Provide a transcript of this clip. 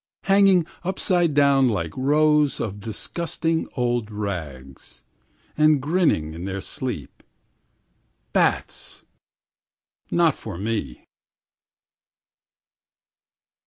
41Hanging upside down like rows of disgusting old rags42And grinning in their sleep.43Bats!44Not for me!